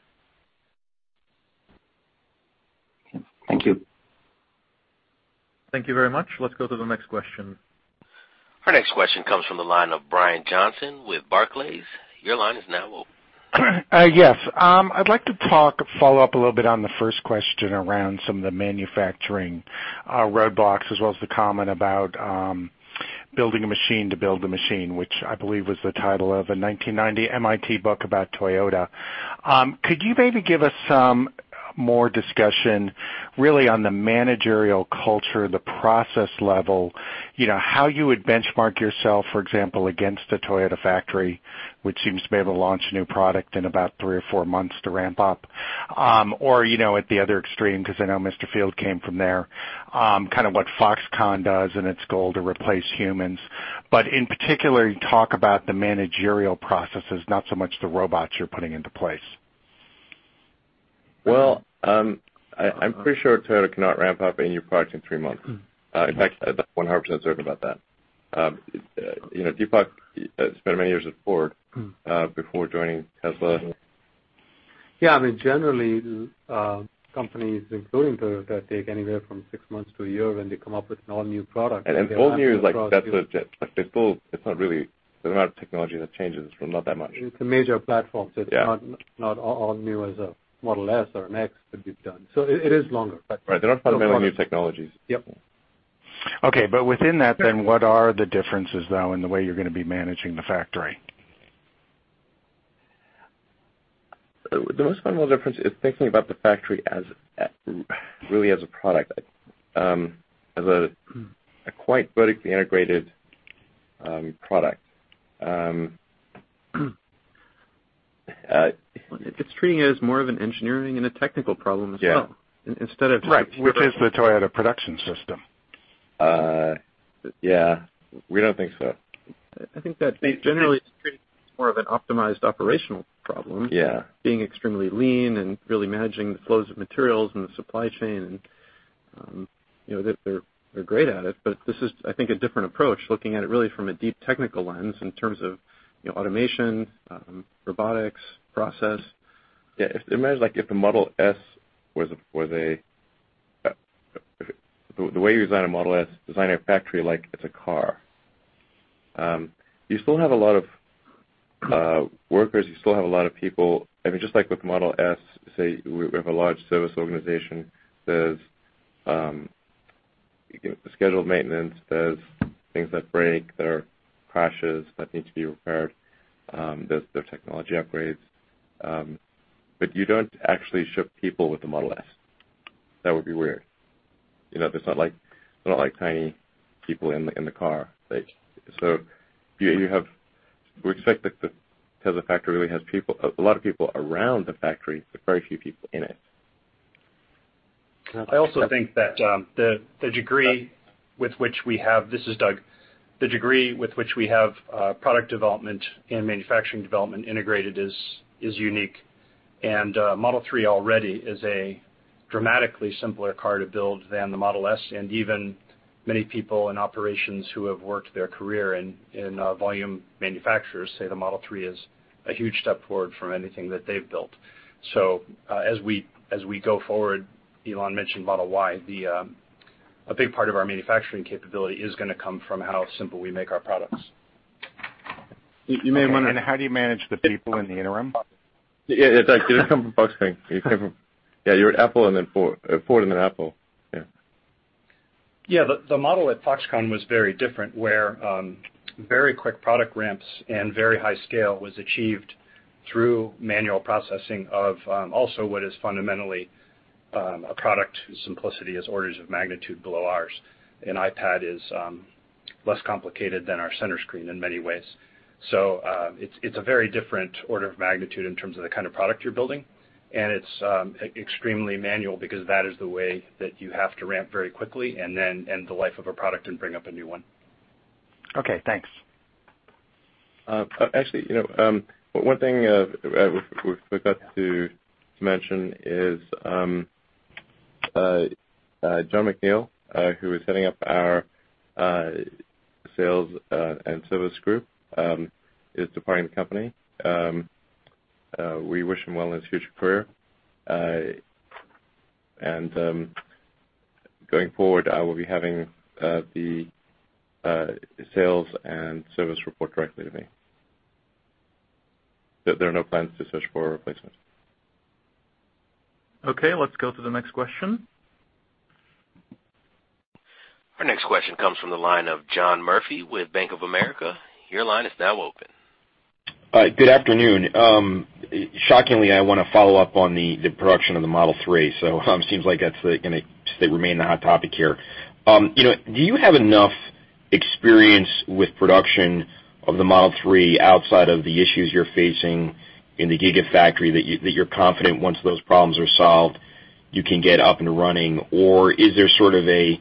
Thank you. Thank you very much. Let's go to the next question. Our next question comes from the line of Brian Johnson with Barclays. Your line is now open. Yes, I'd like to talk, follow up a little bit on the first question around some of the manufacturing roadblocks, as well as the comment about building a machine to build a machine, which I believe was the title of a 1990 MIT book about Toyota. Could you maybe give us some more discussion really on the managerial culture, the process level, you know, how you would benchmark yourself, for example, against a Toyota factory, which seems to be able to launch a new product in about three or four months to ramp up? Or, you know, at the other extreme, 'cause I know Mr. Field came from there, kind of what Foxconn does and its goal to replace humans. In particular, talk about the managerial processes, not so much the robots you're putting into place. I'm pretty sure Toyota cannot ramp up a new product in three months. In fact, that's 100% certain about that. You know, Deepak spent many years at Ford before joining Tesla. Yeah, I mean, generally, companies including Toyota take anywhere from 6 months to 1 year when they come up with an all-new product. All new is like, that's a, like they're still, it's not really the amount of technology that changes from not that much. It's a major platform. Yeah. It's not all new as a Model S or a Model X could be done. It is longer. Right. They're not fundamentally new technologies. Yep. Okay, within that, what are the differences though in the way you're gonna be managing the factory? The most fundamental difference is thinking about the factory as really as a product, as a quite vertically integrated product. It's treating it as more of an engineering and a technical problem as well. Yeah. Instead of. Right, which is the Toyota Production System. Yeah, we don't think so. I think that generally it's treating it as more of an optimized operational problem. Yeah. Being extremely lean and really managing the flows of materials and the supply chain and, you know, they're great at it. This is, I think, a different approach, looking at it really from a deep technical lens in terms of, you know, automation, robotics, process. Yeah. Imagine like if the Model S was a, the way you design a Model S, design a factory like it's a car. You still have a lot of workers, you still have a lot of people. I mean, just like with Model S, say we have a large service organization. You get the scheduled maintenance. There's things that break. There are crashes that need to be repaired. There are technology upgrades. You don't actually ship people with the Model S. That would be weird. You know, there are not like tiny people in the car. We expect that the Tesla factory really has people, a lot of people around the factory, but very few people in it. I also think that, the degree with which we have, this is Doug, the degree with which we have product development and manufacturing development integrated is unique. Model 3 already is a dramatically simpler car to build than the Model S. Even many people in operations who have worked their career in volume manufacturers say the Model 3 is a huge step forward from anything that they've built. As we go forward, Elon mentioned Model Y, the a big part of our manufacturing capability is gonna come from how simple we make our products. You, you may want to- How do you manage the people in the interim? Yeah, yeah, Doug, you come from Foxconn. Yeah, you were at Apple and then Ford and then Apple. Yeah. The model at Foxconn was very different, where very quick product ramps and very high scale was achieved through manual processing of also what is fundamentally a product whose simplicity is orders of magnitude below ours. An iPad is less complicated than our center screen in many ways. It's a very different order of magnitude in terms of the kind of product you're building, and it's extremely manual because that is the way that you have to ramp very quickly and then end the life of a product and bring up a new one. Okay, thanks. Actually, you know, one thing we forgot to mention is Jon McNeill, who was heading up our sales and service group, is departing the company. We wish him well in his future career. Going forward, I will be having the sales and service report directly to me. There are no plans to search for a replacement. Okay, let's go to the next question. Our next question comes from the line of John Murphy with Bank of America. Your line is now open. Good afternoon. Shockingly, I want to follow up on the production of the Model 3. Seems like that's going to remain the hot topic here. You know, do you have enough experience with production of the Model 3 outside of the issues you're facing in the Gigafactory that you're confident once those problems are solved, you can get up and running? Is there sort of a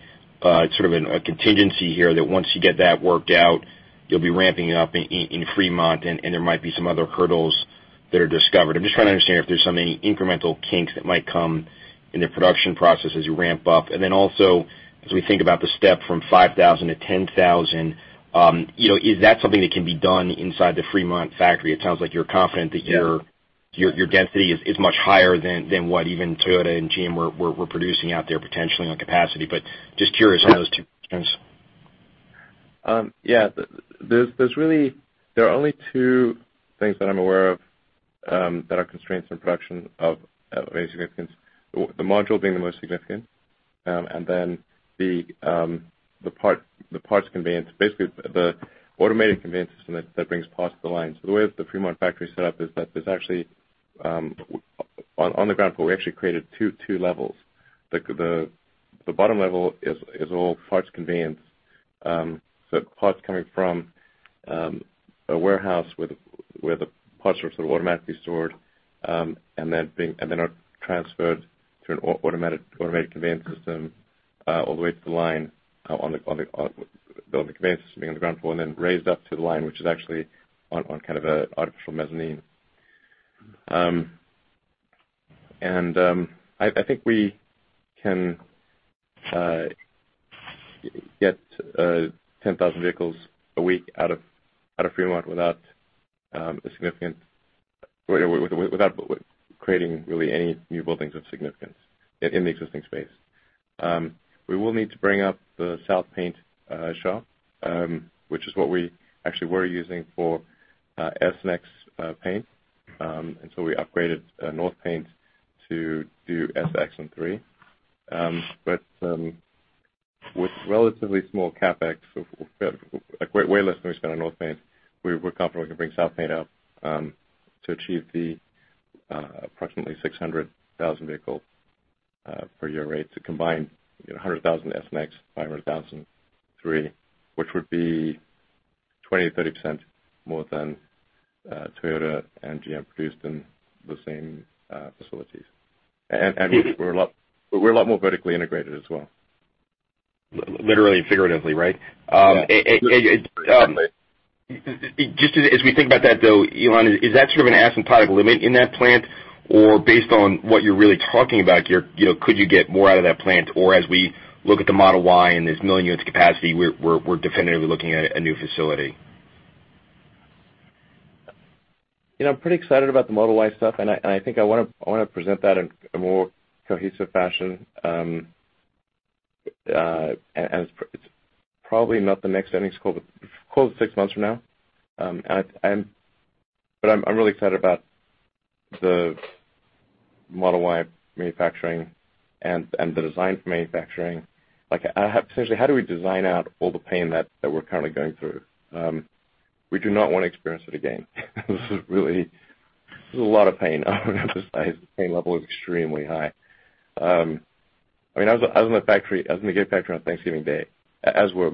contingency here that once you get that worked out, you'll be ramping up in Fremont and there might be some other hurdles that are discovered? I'm just trying to understand if there's some incremental kinks that might come in the production process as you ramp up. Also, as we think about the step from 5,000-10,000, you know, is that something that can be done inside the Fremont factory? It sounds like you're confident that. Yeah. Your density is much higher than what even Toyota and GM were producing out there potentially on capacity. Just curious on those two terms. There are only two things that I'm aware of that are constraints in production of any significance. The module being the most significant, and then the parts conveyance, basically the automated conveyance system that brings parts to the line. The way the Fremont factory is set up is that there's actually On the ground floor, we actually created two levels. The bottom level is all parts conveyance. Parts coming from a warehouse where the parts are sort of automatically stored, and then are transferred through an automated conveyance system, all the way to the line, on the conveyance system being on the ground floor and then raised up to the line, which is actually on kind of a artificial mezzanine. I think we can get 10,000 vehicles a week out of Fremont without a significant without creating really any new buildings of significance in the existing space. We will need to bring up the south paint shop, which is what we actually were using for S and X paint, until we upgraded north paint to do S, X, and 3. With relatively small CapEx of like way less than we spend on north paint, we're confident we can bring south paint up to achieve the approximately 600,000 vehicle per year rate to combine, you know, 100,000 S and X, 500,000 3, which would be 20%-30% more than Toyota and GM produced in the same facilities. We're a lot more vertically integrated as well. Literally and figuratively, right? Yeah. Um, a-a-a- and, um- Definitely. Just as we think about that though, Elon, is that sort of an asymptotic limit in that plant? Based on what you're really talking about here, you know, could you get more out of that plant? As we look at the Model Y and there's a 1 million units capacity, we're definitively looking at a new facility? You know, I'm pretty excited about the Model Y stuff, and I think I wanna present that in a more cohesive fashion. It's probably not the next earnings call, but call it six months from now. I'm really excited about Model Y manufacturing and the design for manufacturing. Like, essentially, how do we design out all the pain that we're currently going through? We do not wanna experience it again. This is really a lot of pain. The pain level is extremely high. I mean, I was in the factory, I was in the Gigafactory on Thanksgiving Day, as were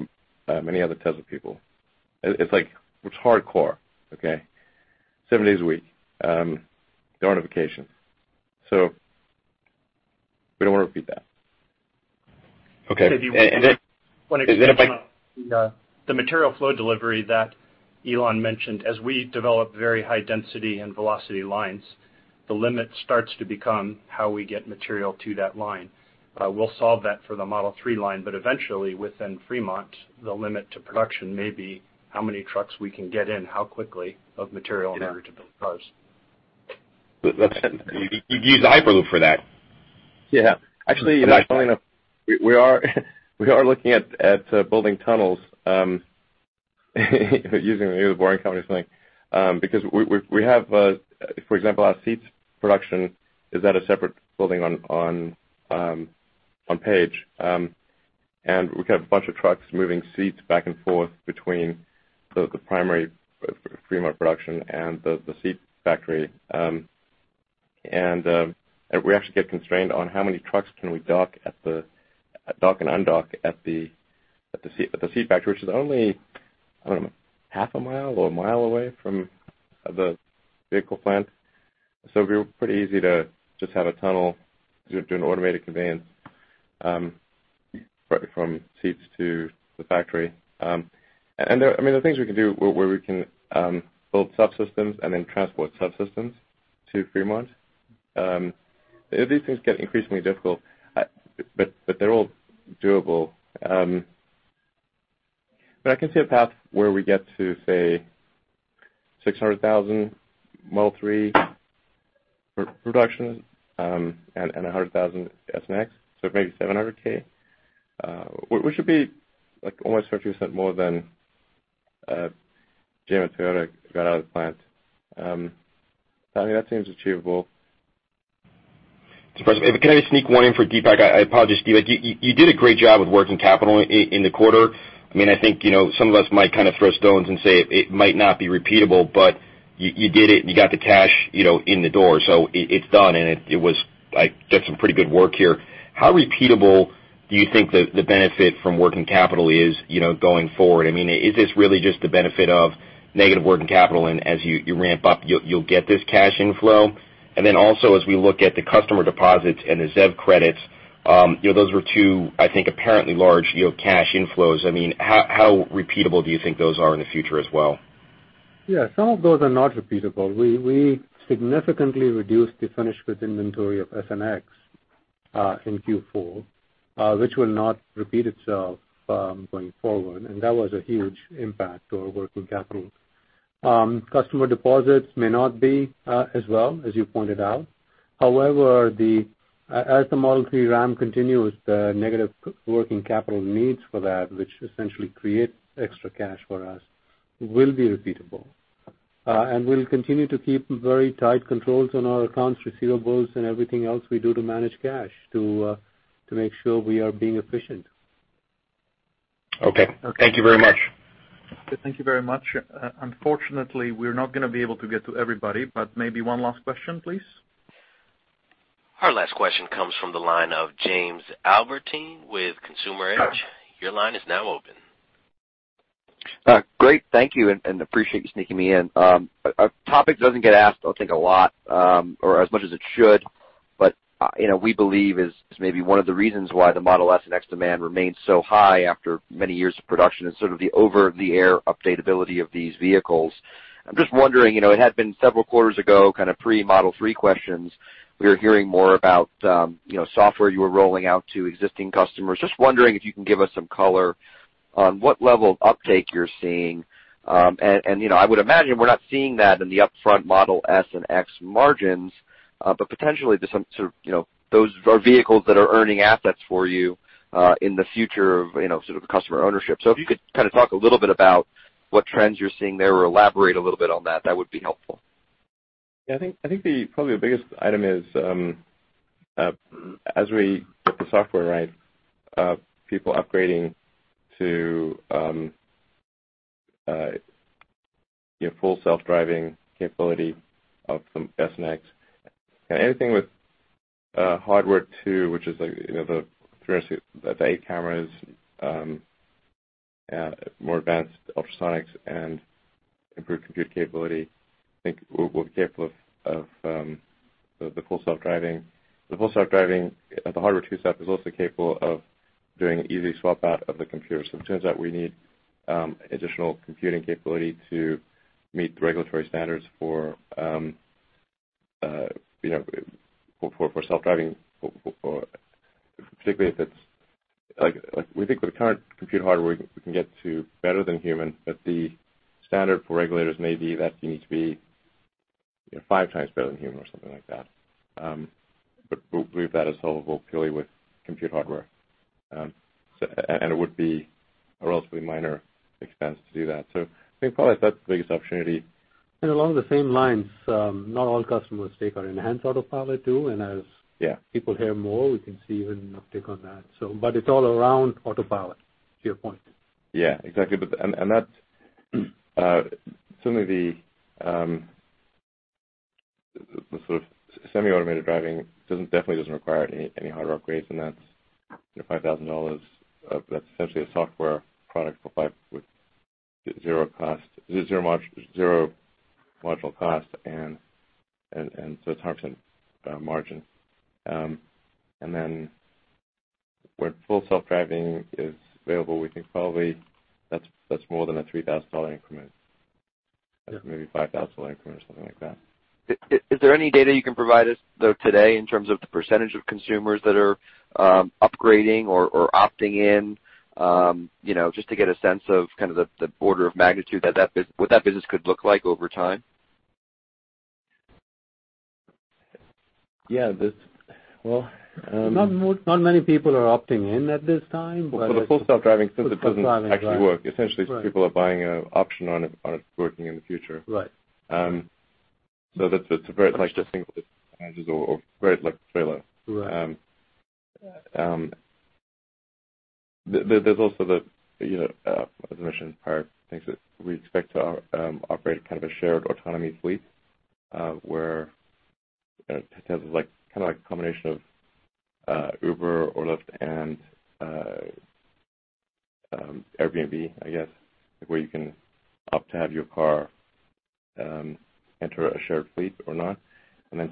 many other Tesla people. It's like it's hardcore, okay? Seven days a week. There aren't vacations. We don't wanna repeat that. Okay. And then- Maybe one- Is there? The material flow delivery that Elon mentioned, as we develop very high density and velocity lines, the limit starts to become how we get material to that line. We'll solve that for the Model 3 line, but eventually, within Fremont, the limit to production may be how many trucks we can get in, how quickly. Yeah. In order to build cars. That's it. You could use Hyperloop for that. Yeah. Actually, you know, funny enough, we are looking at building tunnels using The Boring Company or something. Because we have, for example, our seats production is at a separate building on page. We have a bunch of trucks moving seats back and forth between the primary Fremont production and the seat factory. We actually get constrained on how many trucks can we dock and undock at the seat factory, which is only, I don't know, 0.5 mi or 1 mi away from the vehicle plant. It'd be pretty easy to just have a tunnel do an automated conveyance from seats to the factory. I mean, there are things we can do where we can build subsystems and then transport subsystems to Fremont. These things get increasingly difficult, but they're all doable. I can see a path where we get to, say, 600,000 Model 3 production, and 100,000 S and X, so maybe 700,000, which would be, like, almost 50% more than GM and Toyota got out of the plant. I mean, that seems achievable. Surprise. Can I just sneak one in for Deepak? I apologize, [Steve]. You did a great job with working capital in the quarter. I mean, I think, you know, some of us might kind of throw stones and say it might not be repeatable. You did it and you got the cash, you know, in the door. It's done, and it was like just some pretty good work here. How repeatable do you think the benefit from working capital is, you know, going forward? I mean, is this really just the benefit of negative working capital and as you ramp up, you'll get this cash inflow? Also, as we look at the customer deposits and the ZEV credits, you know, those were two, I think, apparently large, you know, cash inflows. I mean, how repeatable do you think those are in the future as well? Yeah, some of those are not repeatable. We significantly reduced the finished goods inventory of S and X in Q4, which will not repeat itself going forward, and that was a huge impact to our working capital. Customer deposits may not be as well, as you pointed out. As the Model 3 ramp continues, the negative working capital needs for that, which essentially creates extra cash for us, will be repeatable. We'll continue to keep very tight controls on our accounts receivables, and everything else we do to manage cash to make sure we are being efficient. Okay. Thank you very much. Thank you very much. Unfortunately, we're not gonna be able to get to everybody, but maybe one last question, please. Our last question comes from the line of James Albertine with Consumer Edge. Your line is now open. Great. Thank you, and appreciate you sneaking me in. A topic doesn't get asked, I think, a lot, or as much as it should, you know, we believe is maybe one of the reasons why the Model S and X demand remains so high after many years of production is sort of the over-the-air update ability of these vehicles. I'm just wondering, you know, it had been several quarters ago, kind of pre-Model 3 questions. We are hearing more about, you know, software you were rolling out to existing customers. Just wondering if you can give us some color on what level of uptake you're seeing. And, you know, I would imagine we're not seeing that in the upfront Model S and X margins, but potentially there's some sort of, you know, those are vehicles that are earning assets for you in the future of, you know, sort of the customer ownership. If you could kind of talk a little bit about what trends you're seeing there or elaborate a little bit on that would be helpful. Yeah, I think, I think the, probably the biggest item is, as we get the software right, people upgrading to, you know, Full Self-Driving capability of the S and X. Anything with Hardware 2, which is like, you know, the eight cameras, more advanced ultrasonics and improved compute capability, I think we'll be capable of the Full Self-Driving. The Full Self-Driving, the Hardware 2 stack is also capable of doing easy swap out of the computer. It turns out we need additional computing capability to meet the regulatory standards for, you know, for self-driving, for particularly if it's Like, we think with the current compute hardware, we can get to better than human, but the standard for regulators may be that you need to be, you know, 5x better than human or something like that. We believe that is solvable purely with compute hardware. And it would be a relatively minor expense to do that. I think probably that's the biggest opportunity. Along the same lines, not all customers take our Enhanced Autopilot too. Yeah. People hear more, we can see an uptick on that. It's all around Autopilot, to your point. Yeah, exactly. And that's some of the sort of semi-automated driving definitely doesn't require any hardware upgrades, and that's, you know, $5,000. That's essentially a software product with zero cost, zero module cost and so it's 100% margin. When Full Self-Driving is available, we think probably that's more than a $3,000 increment. Yeah. That's maybe $5,000 increment or something like that. Is there any data you can provide us though today in terms of the percentage of consumers that are upgrading or opting in, you know, just to get a sense of kind of the order of magnitude what that business could look like over time? Yeah. That's Well... Not many people are opting in at this time. For the Full Self-Driving, since it doesn't actually work, essentially people are buying an option on it, on it working in the future. Right. That's a very interesting advantages or [very like trailer]. Right. There's also the, you know, as I mentioned prior, things that we expect to operate kind of a shared autonomy fleet, where, you know, Tesla's like kinda like a combination of Uber or Lyft and Airbnb, I guess, where you can opt to have your car enter a shared fleet or not.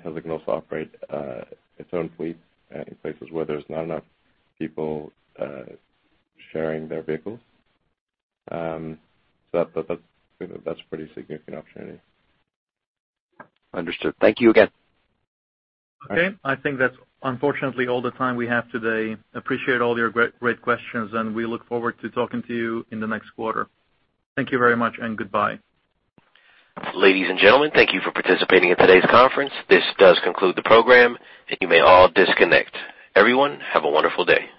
Tesla can also operate its own fleet in places where there's not enough people sharing their vehicles. That, that's, you know, that's a pretty significant opportunity. Understood. Thank you again. Okay. I think that's unfortunately all the time we have today. Appreciate all your great questions. We look forward to talking to you in the next quarter. Thank you very much and goodbye. Ladies and gentlemen, thank you for participating in today's conference. This does conclude the program, and you may all disconnect. Everyone, have a wonderful day.